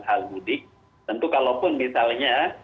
hal mudik tentu kalaupun misalnya